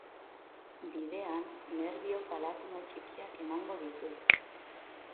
Bidean, nerbio palatino txikiak emango ditu.